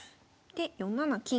で４七金。